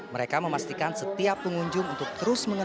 mereka memastikan setiap pengunjung untuk terus mengembangkan